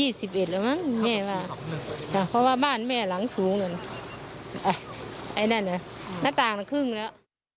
ไอ้นั่นล่ะหน้าต่างละครึ่งแล้ว